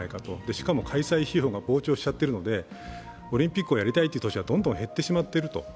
しかも開催費用が膨張しちゃっているので、オリンピックをやりたいという都市がどんどん減ってしまっていると。